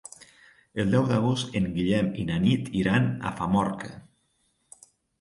El deu d'agost en Guillem i na Nit iran a Famorca.